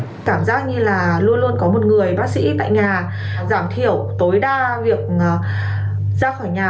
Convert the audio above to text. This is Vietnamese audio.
tôi cảm giác như là luôn luôn có một người bác sĩ tại nhà giảm thiểu tối đa việc ra khỏi nhà